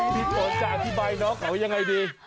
พี่ฝนจะอธิบายน้องเขายังไงดี